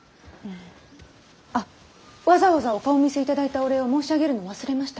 あわざわざお顔見せ頂いたお礼を申し上げるのを忘れました。